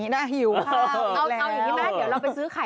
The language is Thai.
น่าหิวค่ะ